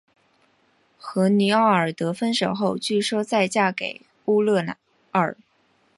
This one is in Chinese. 和尼奥尔德分手后据说再嫁给乌勒尔。